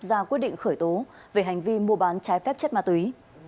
ra quyết định khởi tố về hành vi mua bán trái phép chất ma túy